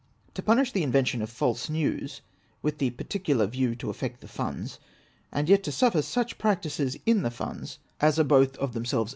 To punish the invention of false news, with the particular view to affect the funds, and yet to suffer such practices in the funds as are both of themselves II II 3 170 APPE^'DIX XVI II.